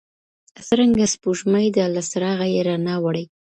څه رنګه سپوږمۍ ده له څراغه يې رڼا وړې~